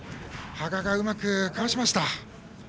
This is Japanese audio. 羽賀がうまく返しました。